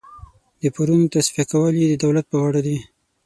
د پورونو تصفیه کول یې د دولت پر غاړه دي.